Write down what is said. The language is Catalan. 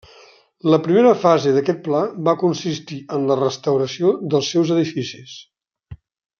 La primera fase d'aquest pla va consistir en la restauració dels seus edificis.